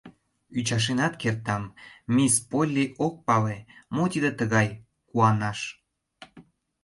— Ӱчашенат кертам: мисс Полли ок пале, мо тиде тыгай — куанаш.